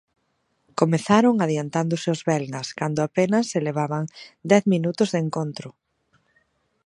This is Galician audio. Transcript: Comezaron adiantándose os belgas cando apenas se levaban dez minutos de encontro.